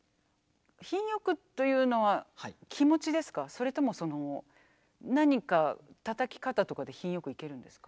それともその何かたたき方とかで品良くいけるんですか？